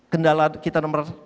kendala kita nomor